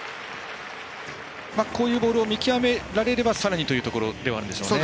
こういうボールを見極められればさらにというところではあるんでしょうね。